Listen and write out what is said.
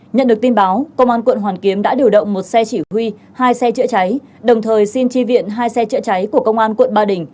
nhận được tin báo công an quận hoàn kiếm đã điều động một xe chỉ huy hai xe chữa cháy đồng thời xin tri viện hai xe chữa cháy của công an quận ba đình